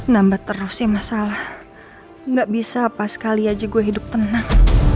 nambah terus sih masalah gak bisa apa sekali aja gue hidup tenang